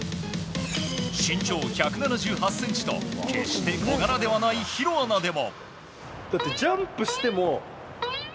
身長１７８ｃｍと決して小柄ではない弘アナでも。